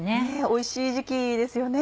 おいしい時期ですよね。